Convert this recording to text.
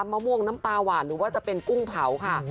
มะม่วงน้ำปลาหวานหรือว่าจะเป็นกุ้งเผาค่ะ